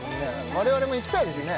我々も行きたいですね